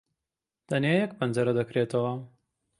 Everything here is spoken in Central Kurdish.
تەنیا یەک پەنجەرە دەکرێتەوە.